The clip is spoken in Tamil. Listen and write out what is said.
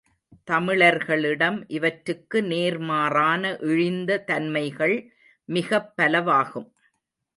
தமிழர்களிடம் இவற்றுக்கு நேர்மாறான இழிந்த தன்மைகள் மிகப் பலவாகும்.